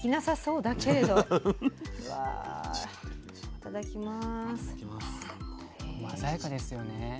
いただきます。